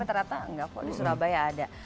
ternyata enggak kok di surabaya ada